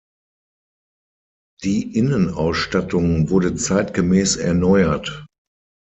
Die Innenausstattung wurde zeitgemäß erneuert.